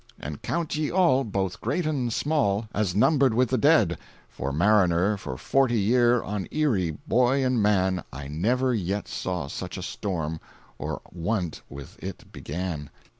"And count ye all, both great and small, As numbered with the dead: For mariner for forty year, On Erie, boy and man, I never yet saw such a storm, Or one't with it began!"